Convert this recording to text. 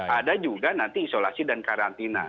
ada juga nanti isolasi dan karantina